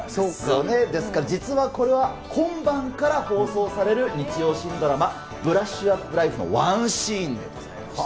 実はこれは、今晩から放送される日曜新ドラマ、ブラッシュアップライフのワンシーンでございました。